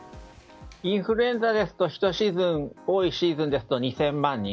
インフルエンザですと１シーズン、多いシーズンだと２０００万人。